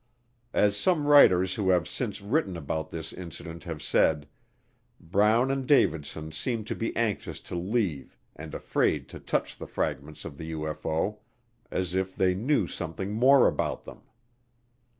As some writers who have since written about this incident have said, Brown and Davidson seemed to be anxious to leave and afraid to touch the fragments of the UFO, as if they knew something more about them.